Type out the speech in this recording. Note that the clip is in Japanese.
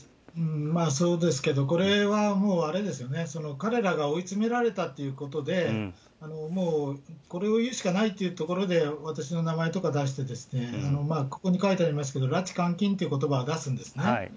まあ、そうですけど、これはもうあれですね、彼らが追い詰められたということで、もうこれを言うしかないというところで、私の名前とか出してですね、ここに書いてありますけど、拉致監禁ということばを出すんですね。